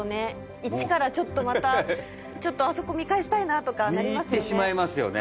一からちょっとまたあそこ見返したいなとかなりますよね見入ってしまいますよね